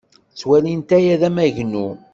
Ttwalint aya d amagnu.